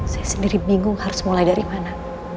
saya sendiri bingung harus mulai dari mana